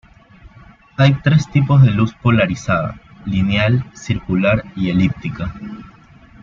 Hay tres tipos de luz polarizada: lineal, circular y elíptica.